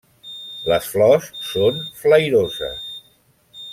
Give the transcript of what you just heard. Les flors són flairoses.